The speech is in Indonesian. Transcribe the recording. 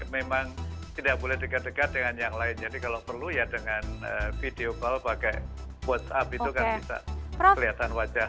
memang tidak boleh dekat dekat dengan yang lain jadi kalau perlu ya dengan video call pakai whatsapp itu kan bisa kelihatan wajah